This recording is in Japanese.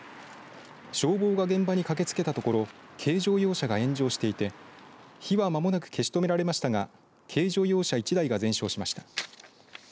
消防が現場に駆けつけたところ軽乗用車が炎上していて火は間もなく消し止められましたが軽乗用車１台が全焼しました。